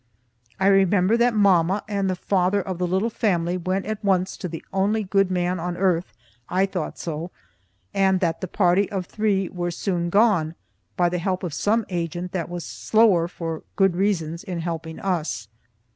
I remember that mamma and the father of the little family went at once to the only good man on earth (I thought so) and that the party of three were soon gone, by the help of some agent that was slower, for good reasons, in helping us.